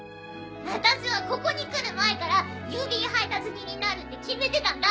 あたしはここに来る前から郵便配達人になるって決めてたんだ。